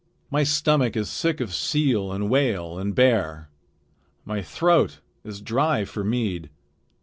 My stomach is sick of seal and whale and bear. My throat is dry for mead.